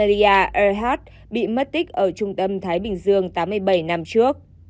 emilia earhart bị mất tích ở trung tâm thái bình dương tám mươi bảy năm trước